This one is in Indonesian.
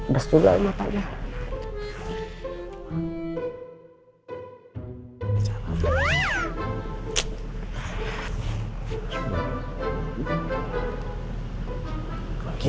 bes juga emang papa aja